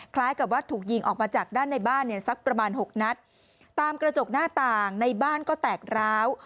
คล้ายกับว่าถูกยิงออกมาจากด้านในบ้านเนี่ยสักประมาณหกนัดตามกระจกหน้าต่างในบ้านก็แตกร้าว